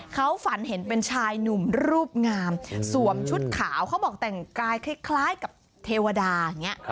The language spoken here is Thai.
เขาฝันเห็นเป็นชายหนุ่มรูปงามสวมชุดขาวเขาบอกแต่งกายคล้ายกับเทวดาอย่างนี้